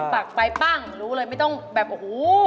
ปากไปปั้งรู้เลยไม่ต้องแบบโอ้โห